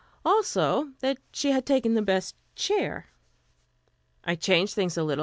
Also, that she had taken the best chair. "I changed things a little.